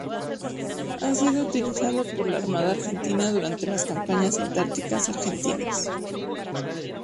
Ha sido utilizado por la Armada Argentina durante las campañas antárticas argentinas.